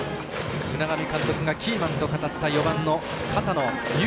海上監督がキーマンと語った４番の片野優